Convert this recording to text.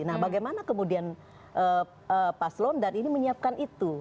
nah bagaimana kemudian paslon dan ini menyiapkan itu